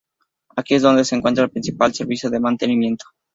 Aquí es donde se encuentra el principal servicio de mantenimiento.